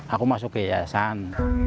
aku masuk ke yayasan